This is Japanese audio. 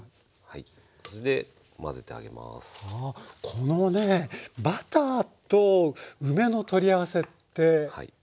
このねバターと梅の取り合わせってねえ。